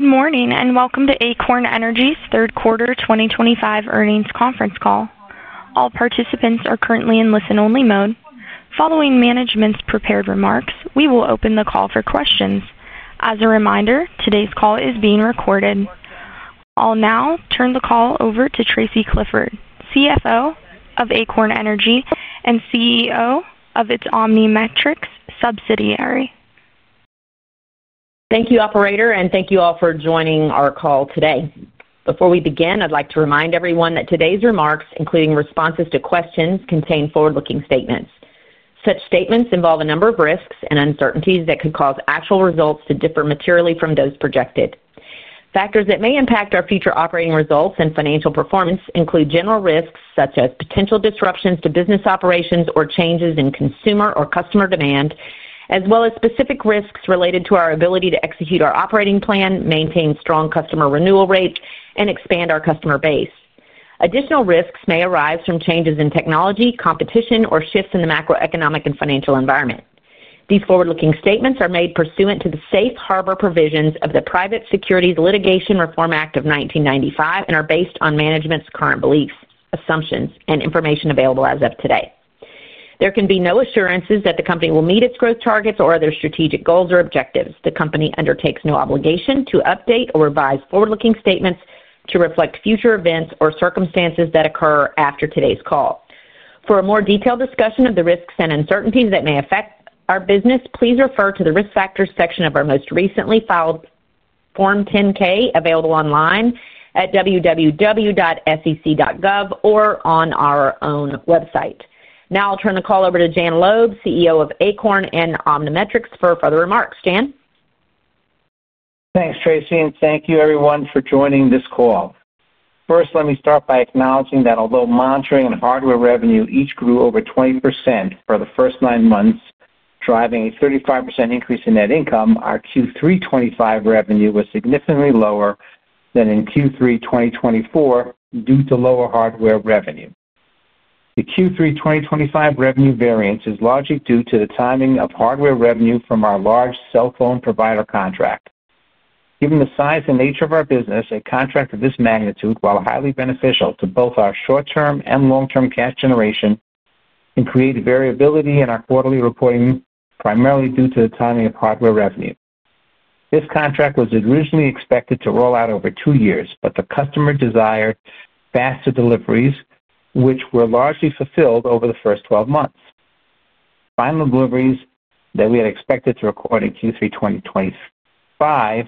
Good morning and welcome to Acorn Energy's third quarter 2025 earnings conference call. All participants are currently in listen-only mode. Following management's prepared remarks, we will open the call for questions. As a reminder, today's call is being recorded. I'll now turn the call over to Tracy Clifford, CFO of Acorn Energy and CEO of its OmniMetrix subsidiary. Thank you, Operator, and thank you all for joining our call today. Before we begin, I'd like to remind everyone that today's remarks, including responses to questions, contain forward-looking statements. Such statements involve a number of risks and uncertainties that could cause actual results to differ materially from those projected. Factors that may impact our future operating results and financial performance include general risks such as potential disruptions to business operations or changes in consumer or customer demand, as well as specific risks related to our ability to execute our operating plan, maintain strong customer renewal rates, and expand our customer base. Additional risks may arise from changes in technology, competition, or shifts in the macroeconomic and financial environment. These forward-looking statements are made pursuant to the safe harbor provisions of the Private Securities Litigation Reform Act of 1995 and are based on management's current beliefs, assumptions, and information available as of today. There can be no assurances that the company will meet its growth targets or other strategic goals or objectives. The company undertakes no obligation to update or revise forward-looking statements to reflect future events or circumstances that occur after today's call. For a more detailed discussion of the risks and uncertainties that may affect our business, please refer to the risk factors section of our most recently filed Form 10-K available online at www.sec.gov or on our own website. Now I'll turn the call over to Jan Loeb, CEO of Acorn Energy and OmniMetrix, for further remarks. Jan. Thanks, Tracy, and thank you, everyone, for joining this call. First, let me start by acknowledging that although monitoring and hardware revenue each grew over 20% for the first nine months, driving a 35% increase in net income, our Q3 2025 revenue was significantly lower than in Q3 2024 due to lower hardware revenue. The Q3 2025 revenue variance is logical due to the timing of hardware revenue from our large cell phone provider contract. Given the size and nature of our business, a contract of this magnitude, while highly beneficial to both our short-term and long-term cash generation, can create variability in our quarterly reporting primarily due to the timing of hardware revenue. This contract was originally expected to roll out over two years, but the customer desired faster deliveries, which were largely fulfilled over the first 12 months. Final deliveries that we had expected to record in Q3 2025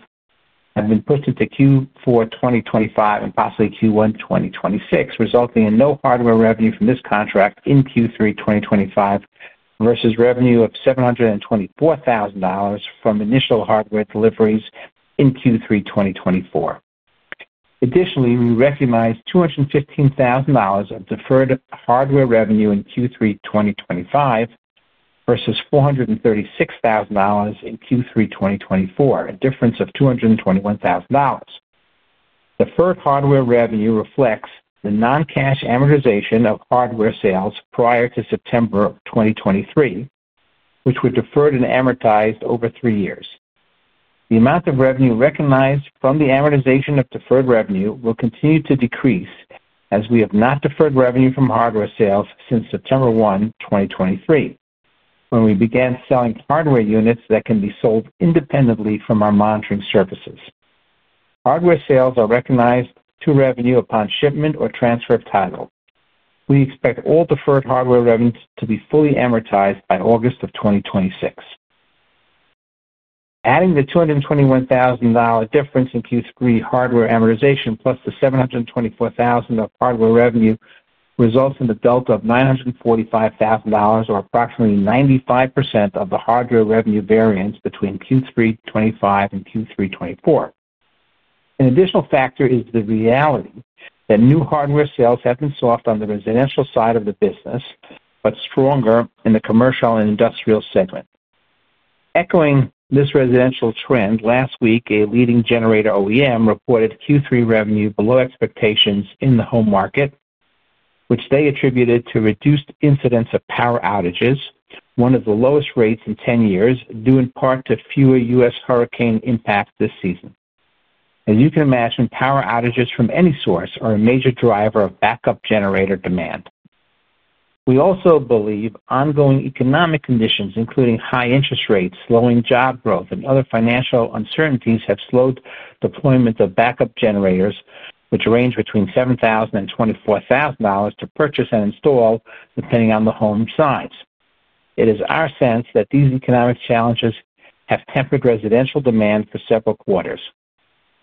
have been pushed into Q4 2025 and possibly Q1 2026, resulting in no hardware revenue from this contract in Q3 2025 versus revenue of $724,000 from initial hardware deliveries in Q3 2024. Additionally, we recognize $215,000 of deferred hardware revenue in Q3 2025 versus $436,000 in Q3 2024, a difference of $221,000. Deferred hardware revenue reflects the non-cash amortization of hardware sales prior to September 2023, which were deferred and amortized over three years. The amount of revenue recognized from the amortization of deferred revenue will continue to decrease as we have not deferred revenue from hardware sales since September 1, 2023, when we began selling hardware units that can be sold independently from our monitoring services. Hardware sales are recognized to revenue upon shipment or transfer of title. We expect all deferred hardware revenues to be fully amortized by August of 2026. Adding the $221,000 difference in Q3 hardware amortization plus the $724,000 of hardware revenue results in a delta of $945,000, or approximately 95% of the hardware revenue variance between Q3 2025 and Q3 2024. An additional factor is the reality that new hardware sales have been soft on the residential side of the business, but stronger in the commercial and industrial segment. Echoing this residential trend, last week a leading generator OEM reported Q3 revenue below expectations in the home market, which they attributed to reduced incidents of power outages, one of the lowest rates in 10 years, due in part to fewer U.S. hurricane impacts this season. As you can imagine, power outages from any source are a major driver of backup generator demand. We also believe ongoing economic conditions, including high interest rates, slowing job growth, and other financial uncertainties, have slowed deployment of backup generators, which range between $7,000 and $24,000 to purchase and install depending on the home size. It is our sense that these economic challenges have tempered residential demand for several quarters.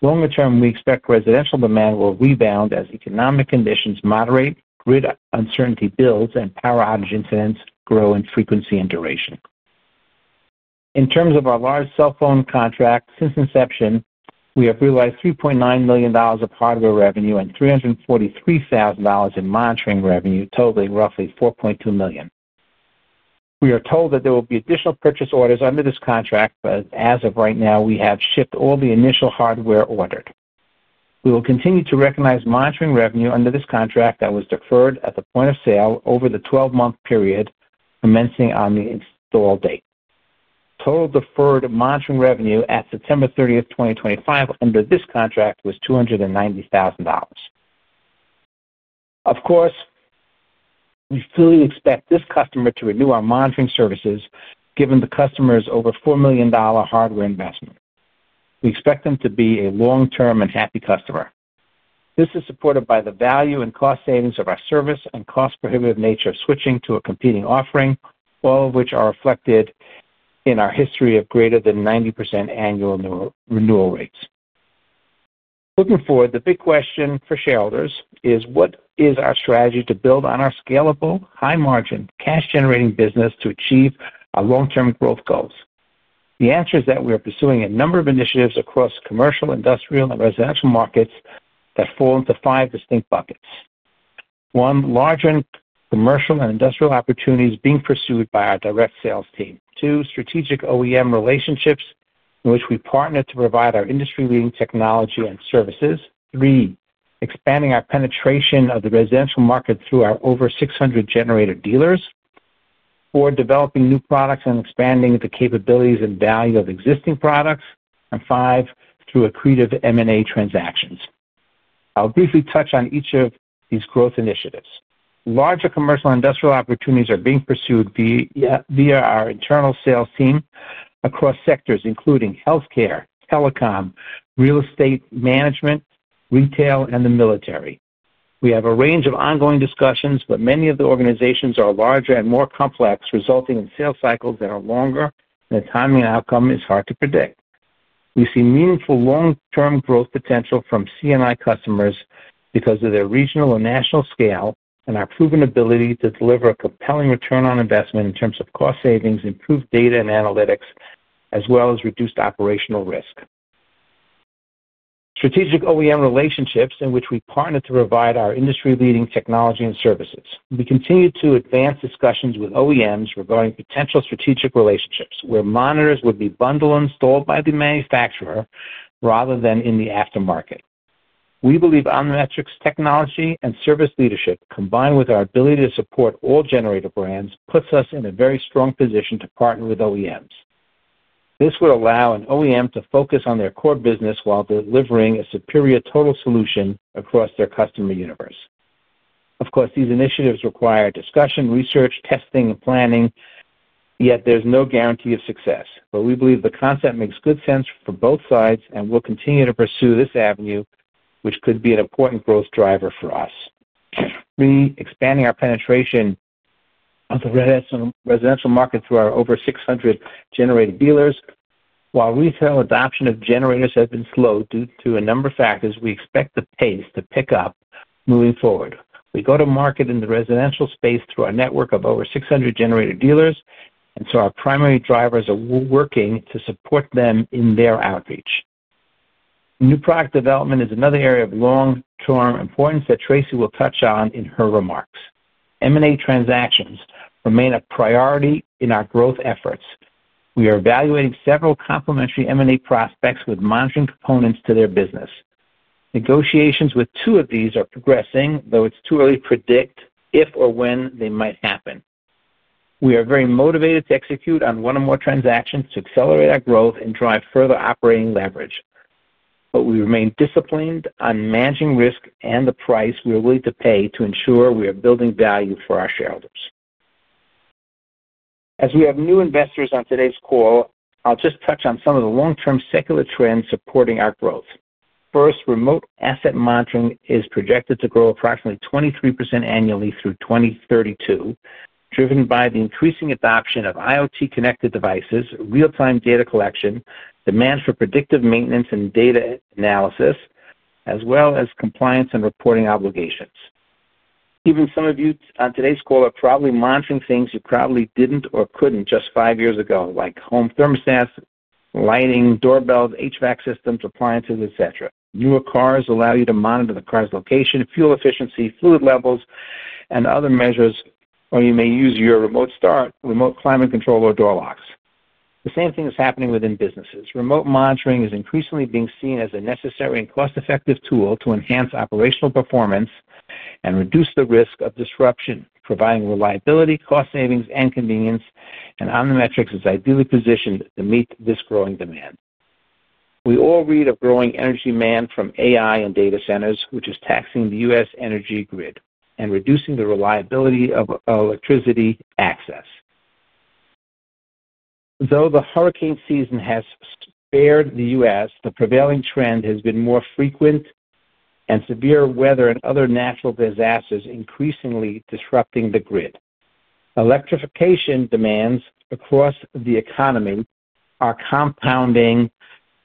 Longer term, we expect residential demand will rebound as economic conditions moderate, grid uncertainty builds, and power outage incidents grow in frequency and duration. In terms of our large cell phone contract, since inception, we have realized $3.9 million of hardware revenue and $343,000 in monitoring revenue, totaling roughly $4.2 million. We are told that there will be additional purchase orders under this contract, but as of right now, we have shipped all the initial hardware ordered. We will continue to recognize monitoring revenue under this contract that was deferred at the point of sale over the 12-month period, commencing on the install date. Total deferred monitoring revenue at September 30, 2025, under this contract was $290,000. Of course, we fully expect this customer to renew our monitoring services given the customer's over $4 million hardware investment. We expect them to be a long-term and happy customer. This is supported by the value and cost savings of our service and cost-prohibitive nature of switching to a competing offering, all of which are reflected in our history of greater than 90% annual renewal rates. Looking forward, the big question for shareholders is, what is our strategy to build on our scalable, high-margin, cash-generating business to achieve our long-term growth goals? The answer is that we are pursuing a number of initiatives across commercial, industrial, and residential markets that fall into five distinct buckets. One, larger commercial and industrial opportunities being pursued by our direct sales team. Two, strategic OEM relationships in which we partner to provide our industry-leading technology and services. Three, expanding our penetration of the residential market through our over 600 generator dealers. Four, developing new products and expanding the capabilities and value of existing products. Five, through accretive M&A transactions. I'll briefly touch on each of these growth initiatives. Larger commercial and industrial opportunities are being pursued via our internal sales team across sectors including healthcare, telecom, real estate management, retail, and the military. We have a range of ongoing discussions, but many of the organizations are larger and more complex, resulting in sales cycles that are longer, and the timing and outcome is hard to predict. We see meaningful long-term growth potential from CNI customers because of their regional and national scale and our proven ability to deliver a compelling return on investment in terms of cost savings, improved data and analytics, as well as reduced operational risk. Strategic OEM relationships in which we partner to provide our industry-leading technology and services. We continue to advance discussions with OEMs regarding potential strategic relationships, where monitors would be bundled and sold by the manufacturer rather than in the aftermarket. We believe OmniMetrix technology and service leadership, combined with our ability to support all generator brands, puts us in a very strong position to partner with OEMs. This would allow an OEM to focus on their core business while delivering a superior total solution across their customer universe. Of course, these initiatives require discussion, research, testing, and planning, yet there's no guarantee of success. We believe the concept makes good sense for both sides and will continue to pursue this avenue, which could be an important growth driver for us. Three, expanding our penetration of the residential market through our over 600 generator dealers. While retail adoption of generators has been slowed due to a number of factors, we expect the pace to pick up moving forward. We go to market in the residential space through our network of over 600 generator dealers, and our primary drivers are working to support them in their outreach. New product development is another area of long-term importance that Tracy will touch on in her remarks. M&A transactions remain a priority in our growth efforts. We are evaluating several complementary M&A prospects with monitoring components to their business. Negotiations with two of these are progressing, though it's too early to predict if or when they might happen. We are very motivated to execute on one or more transactions to accelerate our growth and drive further operating leverage. We remain disciplined on managing risk and the price we are willing to pay to ensure we are building value for our shareholders. As we have new investors on today's call, I'll just touch on some of the long-term secular trends supporting our growth. First, remote asset monitoring is projected to grow approximately 23% annually through 2032, driven by the increasing adoption of IoT-connected devices, real-time data collection, demand for predictive maintenance and data analysis, as well as compliance and reporting obligations. Even some of you on today's call are probably monitoring things you probably didn't or couldn't just five years ago, like home thermostats, lighting, doorbells, HVAC systems, appliances, etc. Newer cars allow you to monitor the car's location, fuel efficiency, fluid levels, and other measures, or you may use your remote start, remote climate control, or door locks. The same thing is happening within businesses. Remote monitoring is increasingly being seen as a necessary and cost-effective tool to enhance operational performance and reduce the risk of disruption, providing reliability, cost savings, and convenience, and OmniMetrix is ideally positioned to meet this growing demand. We all read of growing energy demand from AI and data centers, which is taxing the U.S. energy grid and reducing the reliability of electricity access. Though the hurricane season has spared the U.S., the prevailing trend has been more frequent. Severe weather and other natural disasters increasingly disrupting the grid. Electrification demands across the economy are compounding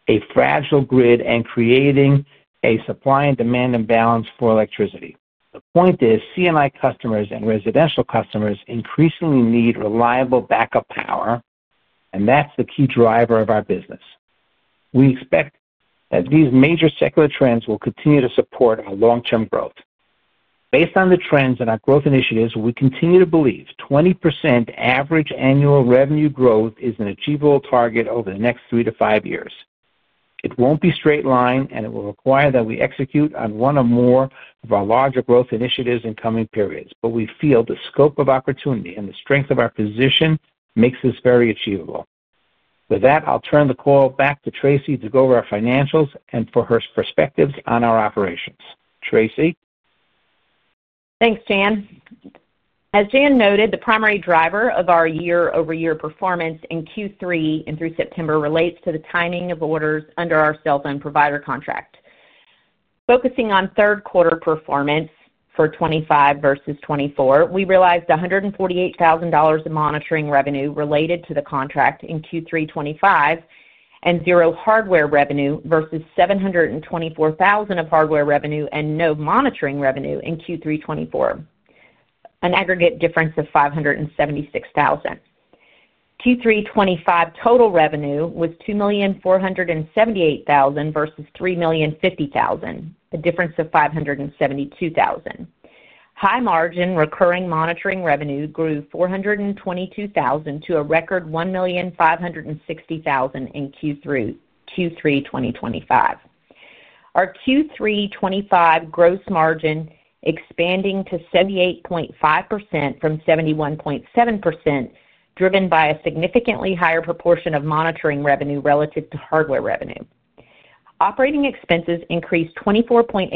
a fragile grid and creating a supply and demand imbalance for electricity. The point is CNI customers and residential customers increasingly need reliable backup power, and that's the key driver of our business. We expect that these major secular trends will continue to support our long-term growth. Based on the trends and our growth initiatives, we continue to believe 20% average annual revenue growth is an achievable target over the next three to five years. It will not be a straight line, and it will require that we execute on one or more of our larger growth initiatives in coming periods. We feel the scope of opportunity and the strength of our position makes this very achievable. With that, I'll turn the call back to Tracy to go over our financials and for her perspectives on our operations. Tracy. Thanks, Jan. As Jan noted, the primary driver of our year-over-year performance in Q3 and through September relates to the timing of orders under our cell phone provider contract. Focusing on third-quarter performance for 2025 versus 2024, we realized $148,000 of monitoring revenue related to the contract in Q3 2025 and zero hardware revenue versus $724,000 of hardware revenue and no monitoring revenue in Q3 2024, an aggregate difference of $576,000. Q3 2025 total revenue was $2,478,000 versus $3,050,000, a difference of $572,000. High-margin recurring monitoring revenue grew $422,000 to a record $1,560,000 in Q3 2025. Our Q3 2025 gross margin expanding to 78.5% from 71.7%, driven by a significantly higher proportion of monitoring revenue relative to hardware revenue. Operating expenses increased 24.8%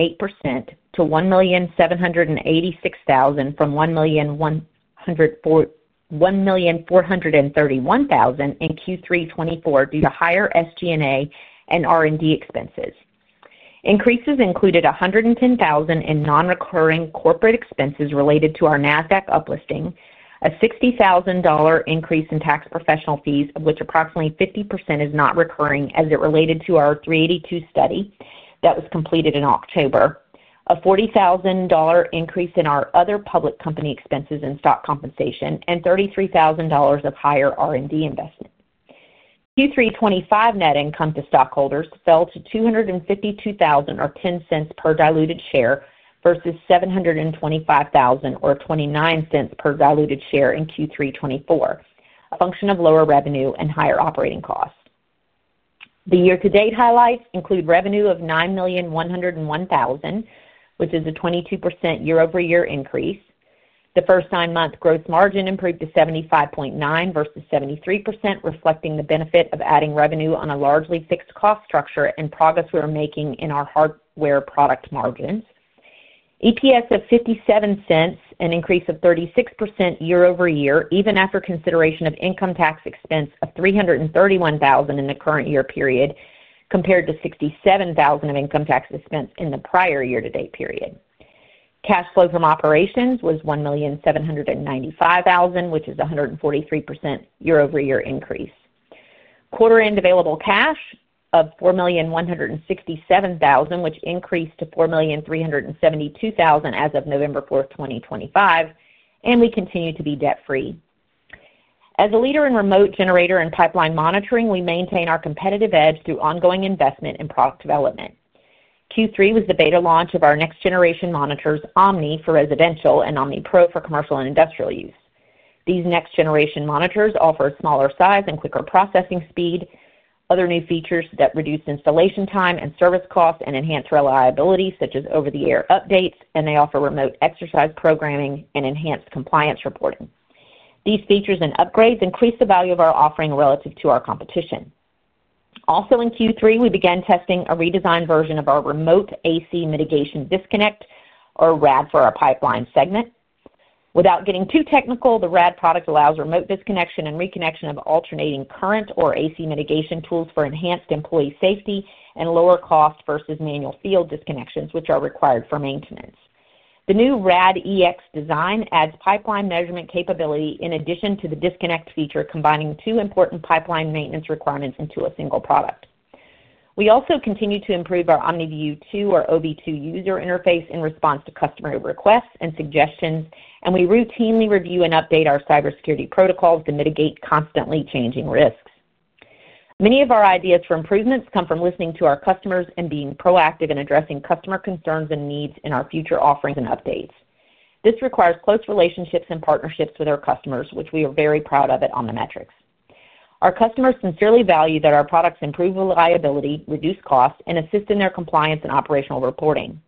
to $1,786,000 from $1,431,000 in Q3 2024 due to higher SG&A and R&D expenses. Increases included $110,000 in non-recurring corporate expenses related to our Nasdaq uplisting, a $60,000 increase in tax professional fees, of which approximately 50% is not recurring as it related to our Section 382 study that was completed in October, a $40,000 increase in our other public company expenses and stock compensation, and $33,000 of higher R&D investment. Q3 2025 net income to stockholders fell to $252,000 or 10 cents per diluted share versus $725,000 or 29 cents per diluted share in Q3 2024, a function of lower revenue and higher operating costs. The year-to-date highlights include revenue of $9,101,000, which is a 22% year-over-year increase. The first-time month gross margin improved to 75.9% versus 73%, reflecting the benefit of adding revenue on a largely fixed cost structure and progress we are making in our hardware product margins. EPS of $0.57, an increase of 36% year-over-year, even after consideration of income tax expense of $331,000 in the current year period compared to $67,000 of income tax expense in the prior year-to-date period. Cash flow from operations was $1,795,000, which is a 143% year-over-year increase. Quarter-end available cash of $4,167,000, which increased to $4,372,000 as of November 4, 2025, and we continue to be debt-free. As a leader in remote generator and pipeline monitoring, we maintain our competitive edge through ongoing investment in product development. Q3 was the beta launch of our next-generation monitors, Omni for residential and Omni Pro for commercial and industrial use. These next-generation monitors offer a smaller size and quicker processing speed, other new features that reduce installation time and service costs and enhance reliability such as over-the-air updates, and they offer remote exercise programming and enhanced compliance reporting. These features and upgrades increase the value of our offering relative to our competition. Also, in Q3, we began testing a redesigned version of our remote AC mitigation disconnect, or RAD, for our pipeline segment. Without getting too technical, the RAD product allows remote disconnection and reconnection of alternating current or AC mitigation tools for enhanced employee safety and lower cost versus manual field disconnections, which are required for maintenance. The new RAD EX design adds pipeline measurement capability in addition to the disconnect feature, combining two important pipeline maintenance requirements into a single product. We also continue to improve our OmniView 2, or OV2, user interface in response to customer requests and suggestions, and we routinely review and update our cybersecurity protocols to mitigate constantly changing risks. Many of our ideas for improvements come from listening to our customers and being proactive in addressing customer concerns and needs in our future offerings and updates. This requires close relationships and partnerships with our customers, which we are very proud of at OmniMetrix. Our customers sincerely value that our products improve reliability, reduce costs, and assist in their compliance and operational reporting.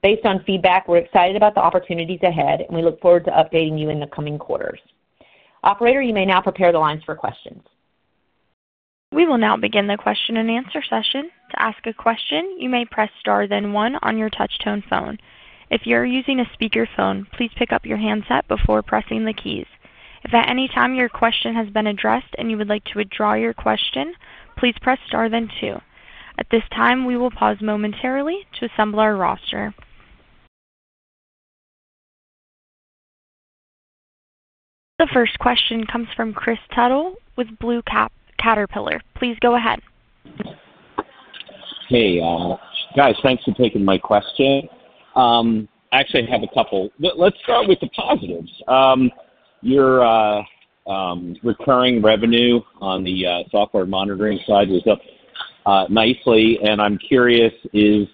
Based on feedback, we're excited about the opportunities ahead, and we look forward to updating you in the coming quarters. Operator, you may now prepare the lines for questions. We will now begin the question-and-answer session. To ask a question, you may press star then one on your touch-tone phone. If you're using a speakerphone, please pick up your handset before pressing the keys. If at any time your question has been addressed and you would like to withdraw your question, please press star then two. At this time, we will pause momentarily to assemble our roster. The first question comes from Kris Tuttle with Blue Catterpillar. Please go ahead. Hey, guys, thanks for taking my question. I actually have a couple. Let's start with the positives. Your recurring revenue on the software monitoring side was up nicely, and I'm curious, is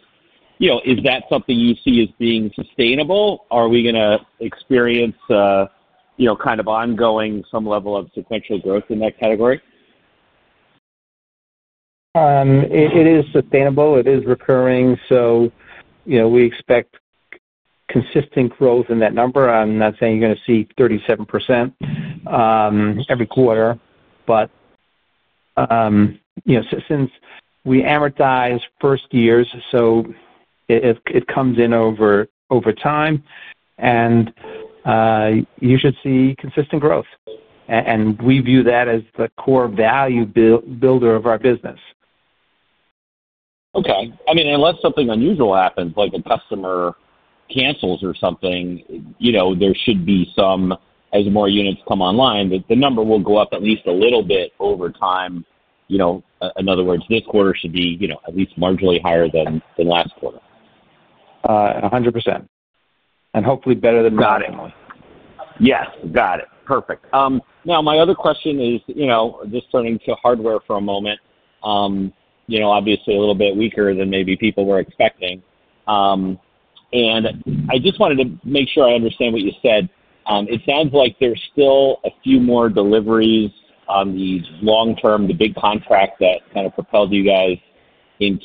that something you see as being sustainable? Are we going to experience kind of ongoing some level of sequential growth in that category? It is sustainable. It is recurring. So we expect consistent growth in that number. I'm not saying you're going to see 37% every quarter, but since we amortize first years, so. It comes in over time, and you should see consistent growth. We view that as the core value builder of our business. Okay. I mean, unless something unusual happens, like a customer cancels or something, there should be some, as more units come online, that the number will go up at least a little bit over time. In other words, this quarter should be at least marginally higher than last quarter. 100%. Hopefully better than not anymore. Got it. Yes, got it. Perfect. Now, my other question is, just turning to hardware for a moment. Obviously, a little bit weaker than maybe people were expecting. I just wanted to make sure I understand what you said. It sounds like there are still a few more deliveries on these long-term, the big contract that kind of propelled you guys in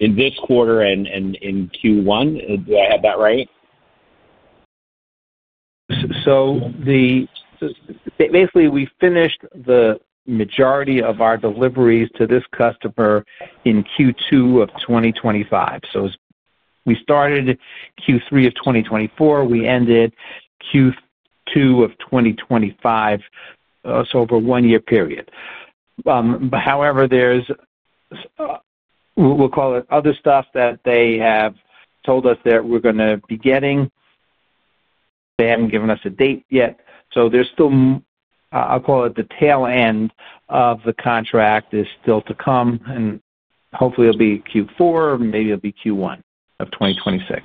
this quarter and in Q1. Do I have that right? Basically, we finished the majority of our deliveries to this customer in Q2 of 2025. We started Q3 of 2024. We ended Q2 of 2025, so over a one-year period. However, there's, we'll call it, other stuff that they have told us that we're going to be getting. They haven't given us a date yet. The tail end of the contract is still to come, and hopefully it'll be Q4, maybe it'll be Q1 of 2026.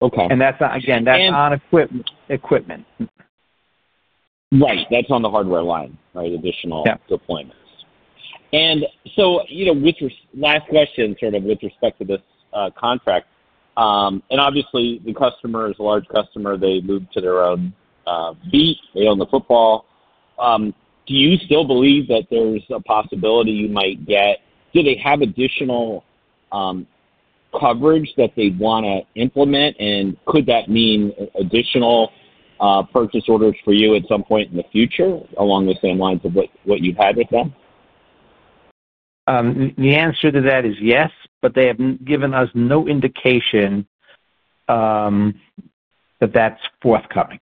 Again, that's on equipment. Right, That's on the hardware line, right? Additional deployments. With your last question, sort of with respect to this contract, obviously, the customer is a large customer. They moved to their own feet. They own the football. Do you still believe that there's a possibility you might get, do they have additional. Coverage that they want to implement? Could that mean additional purchase orders for you at some point in the future, along the same lines of what you had with them? The answer to that is yes, but they have given us no indication that that's forthcoming.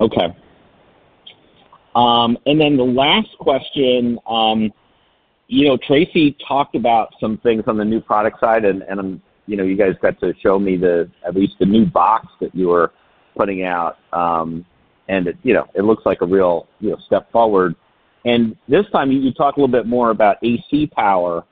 Okay. The last question. Tracy talked about some things on the new product side, and you guys got to show me at least the new box that you were putting out. It looks like a real step forward. This time, you talked a little bit more about AC power.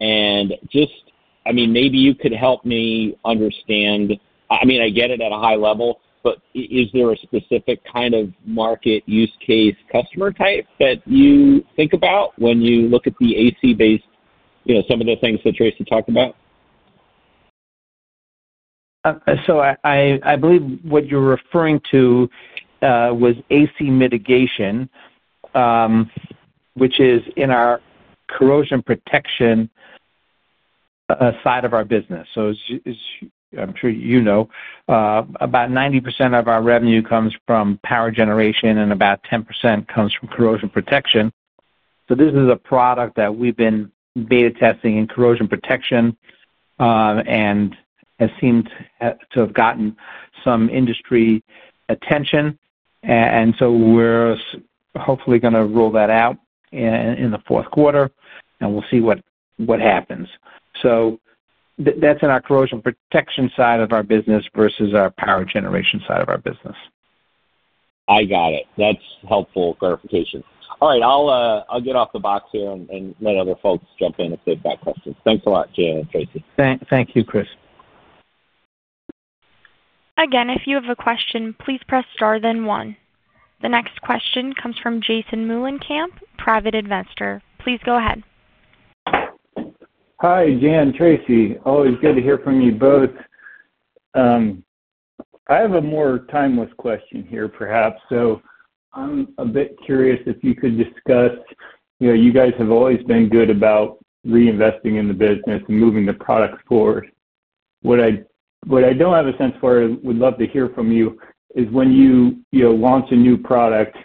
I mean, maybe you could help me understand. I mean, I get it at a high level, but is there a specific kind of market use case customer type that you think about when you look at the AC-based, some of the things that Tracy talked about? I believe what you're referring to was AC mitigation, which is in our corrosion protection side of our business. I'm sure you know, about 90% of our revenue comes from power generation and about 10% comes from corrosion protection. This is a product that we've been beta testing in corrosion protection and has seemed to have gotten some industry attention. We're hopefully going to roll that out in the fourth quarter, and we'll see what happens. That's in our corrosion protection side of our business versus our power generation side of our business. I got it. That's helpful clarification. All right. I'll get off the box here and let other folks jump in if they've got questions. Thanks a lot, Jan and Tracy. Thank you, Kris. Again, if you have a question, please press star then one. The next question comes from Jason Mullencamp, private investor. Please go ahead. Hi, Jan and Tracy. Always good to hear from you both. I have a more timeless question here, perhaps. I'm a bit curious if you could discuss. You guys have always been good about reinvesting in the business and moving the product forward. What I don't have a sense for, would love to hear from you, is when you launch a new product,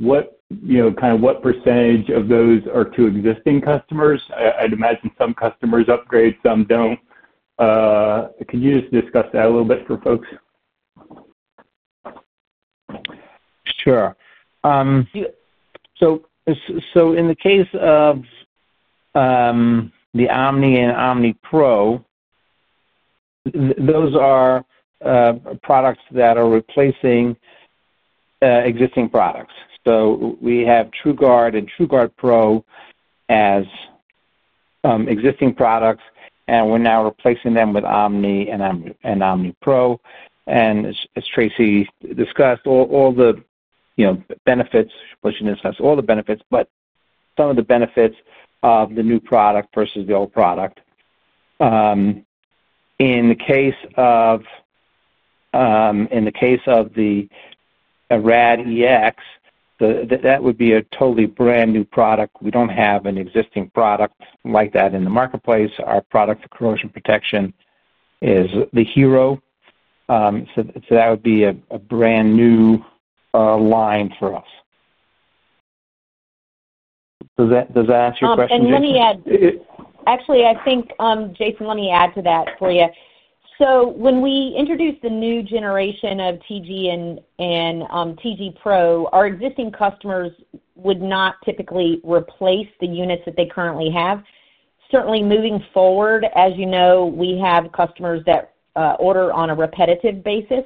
kind of what percentage of those are to existing customers? I'd imagine some customers upgrade, some don't. Could you just discuss that a little bit for folks? Sure. In the case of the Omni and Omni Pro, those are products that are replacing existing products. We have TruGuard and TruGuard Pro as existing products, and we're now replacing them with Omni and Omni Pro. As Tracy discussed, all the. She did not discuss all the benefits, but some of the benefits of the new product versus the old product. In the case of the RAD EX, that would be a totally brand new product. We do not have an existing product like that in the marketplace. Our product for corrosion protection is the Hero. That would be a brand new line for us. Does that answer your question? Actually, I think, Jason, let me add to that for you. When we introduced the new generation of TG and TG Pro, our existing customers would not typically replace the units that they currently have. Certainly, moving forward, as you know, we have customers that order on a repetitive basis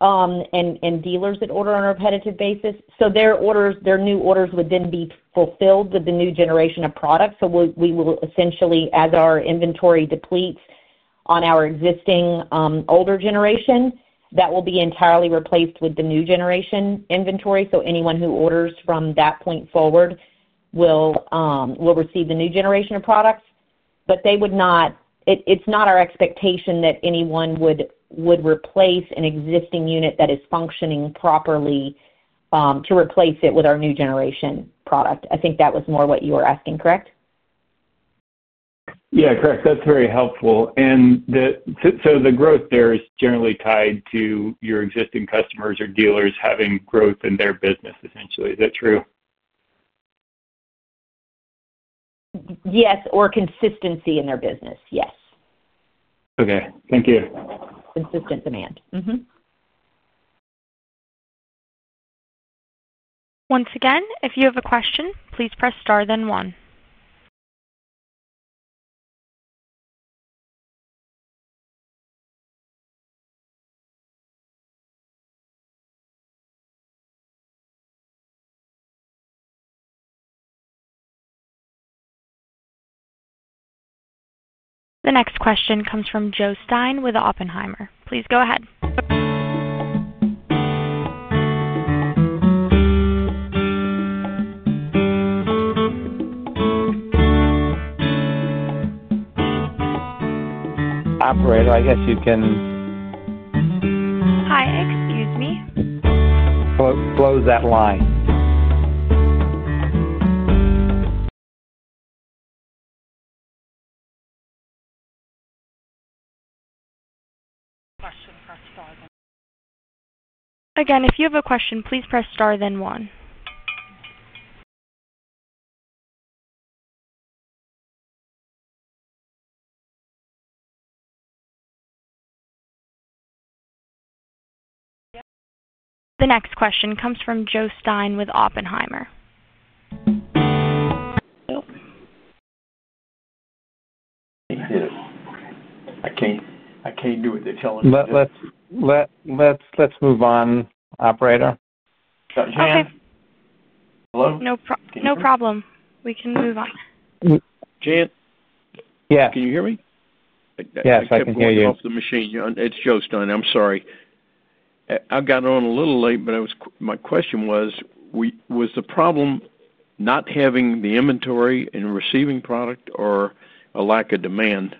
and dealers that order on a repetitive basis. Their new orders would then be fulfilled with the new generation of products. We will essentially, as our inventory depletes on our existing older generation, that will be entirely replaced with the new generation inventory. Anyone who orders from that point forward will receive the new generation of products. It is not our expectation that anyone would replace an existing unit that is functioning properly to replace it with our new generation product. I think that was more what you were asking, correct? Yeah, correct. That is very helpful. The growth there is generally tied to your existing customers or dealers having growth in their business, essentially. Is that true? Yes. Or consistency in their business. Yes. Thank you. Consistent demand. Once again, if you have a question, please press star then one. The next question comes from Joe Stein with Oppenheimer. Please go ahead. Operator, I guess you can. Hi. Excuse me. Close that line. Again, if you have a question, please press star then one. The next question comes from Joe Stein with Oppenheimer. I can't do it. The television. Let's move on, Operator. Jan? Hello? No problem. We can move on. Jan? Yes. Can you hear me? Yes, I can hear you. I'm on the machine. It's Joe Stein. I'm sorry. I got on a little late, but my question was. Was the problem not having the inventory and receiving product or a lack of demand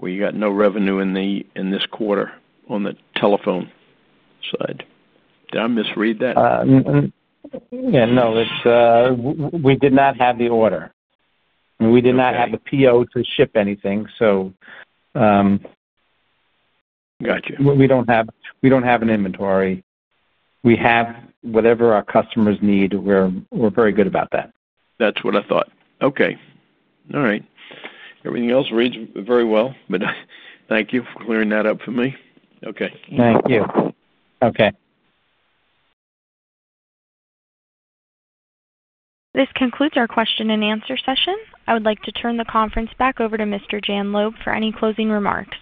where you got no revenue in this quarter on the telephone side? Did I misread that? Yeah. No. We did not have the order. We did not have the PO to ship anything, so. We don't have an inventory. We have whatever our customers need. We're very good about that. That's what I thought. Okay. All right. Everything else reads very well, but thank you for clearing that up for me. Okay. Thank you. Okay. This concludes our question and answer session. I would like to turn the conference back over to Mr. Jan Loeb for any closing remarks.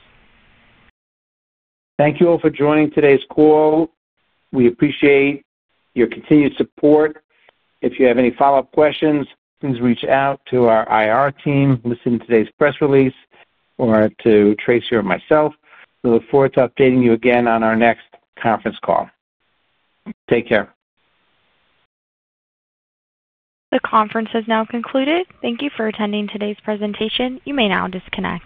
Thank you all for joining today's call. We appreciate your continued support. If you have any follow-up questions, please reach out to our IR team, listen to today's press release, or to Tracy, or myself. We look forward to updating you again on our next conference call. Take care. The conference has now concluded. Thank you for attending today's presentation. You may now disconnect.